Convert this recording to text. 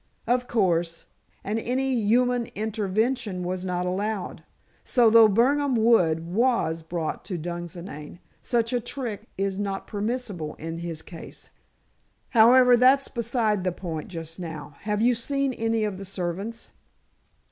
"Of course. And any human intervention was not allowed. So though Birnam Wood was brought to Dunsinane, such a trick is not permissible in his case. However, that's beside the point just now. Have you seen any of the servants?"